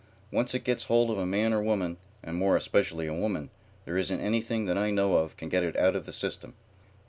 Once it gets hold of a man or a woman, and more especially a woman, there isn't anything that I know of can get it out of the system.